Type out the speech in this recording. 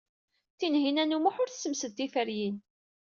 Tinhinan u Muḥ ur tessemsed tiferyin.